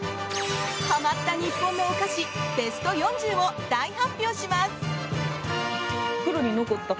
はまった日本のお菓子ベスト４０を大発表します！